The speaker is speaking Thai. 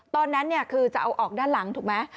ตอนนั้นคือจะเอาออกด้านหลังถูกไหม